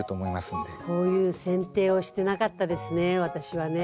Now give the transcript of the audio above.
こういう剪定をしてなかったですね